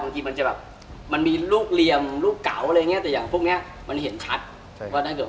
แล้วจนสิ่งขึ้นรอใหม่